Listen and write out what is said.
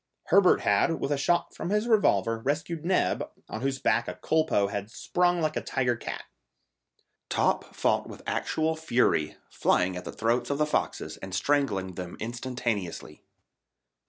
Herbert had, with a shot from his revolver, rescued Neb, on whose back a culpeux had sprung like a tiger cat. Top fought with actual fury, flying at the throats of the foxes and strangling them instantaneously.